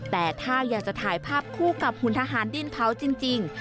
แต่ถ้าอยากจะถ่ายภาพคู่กับหุ่นทหารดินเผาจริง